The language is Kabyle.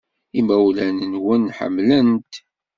Imawlan-nwen ḥemmlen-t.